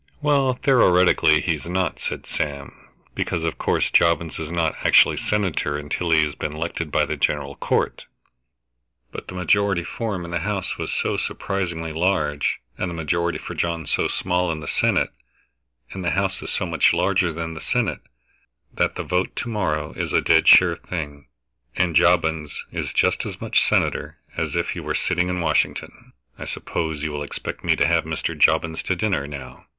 "Well, theoretically he's not," said Sam, "because of course Jobbins is not actually senator until he has been elected by the General Court, but the majority for him in the House was so surprisingly large, and the majority for John so small in the Senate, and the House is so much larger than the Senate, that the vote to morrow is a dead sure thing, and Jobbins is just as much senator as if he were sitting in Washington." "I suppose you will expect me to have Mr. Jobbins to dinner, now.